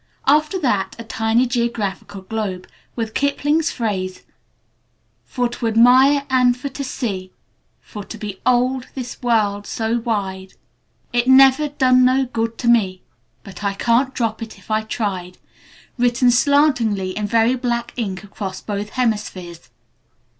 After that, a tiny geographical globe, with Kipling's phrase "For to admire an' for to see, For to be'old this world so wide It never done no good to me, But I can't drop it if I tried!" written slantingly in very black ink across both hemispheres.